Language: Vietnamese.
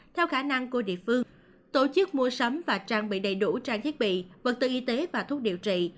theo khả năng của địa phương tổ chức mua sắm và trang bị đầy đủ trang thiết bị vật tư y tế và thuốc điều trị